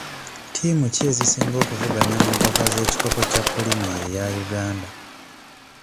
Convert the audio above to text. Ttiimu ki ezisinga okuvuganya mu mpaka z'ekikopo kya pulimiya eya Uganda?